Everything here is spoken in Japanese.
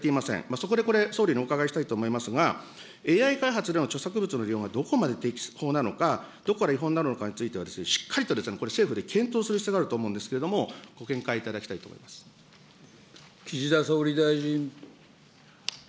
そこでこれ、総理にお伺いしたいと思いますが、ＡＩ開発での著作物の利用はどこまで適法なのか、どこから違法なのかについては、しっかりとこれ、政府で検討する必要があると思うんですけれども、岸田総理大臣。